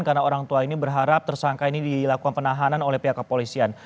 karena orang tua ini berharap tersangka ini dilakukan penahanan oleh pihak kepolisian